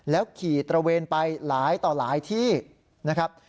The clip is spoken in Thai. ขี่ตระเวนไปหลายต่อหลายที่นะครับ